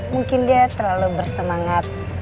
mungkin dia terlalu bersemangat